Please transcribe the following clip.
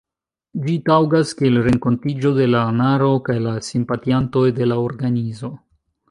Ĝi taŭgas kiel renkontiĝo de la anaro kaj la simpatiantoj de la organizo.